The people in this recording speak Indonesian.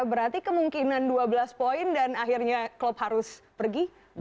berarti kemungkinan dua belas poin dan akhirnya klub harus pergi